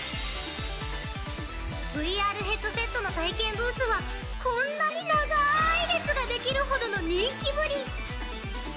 ＶＲヘッドセットの体験ブースはこんなに長い列ができるほどの人気ぶり！